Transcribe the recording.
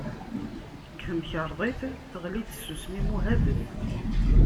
Deg temkerḍit, teɣli-d tsusmi muhabet.